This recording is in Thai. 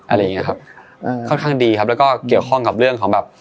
อะไรอย่างเงี้ครับอืมค่อนข้างดีครับแล้วก็เกี่ยวข้องกับเรื่องของแบบ